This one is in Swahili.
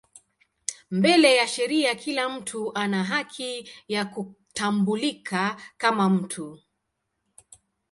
Mbele ya sheria kila mtu ana haki ya kutambulika kama mtu.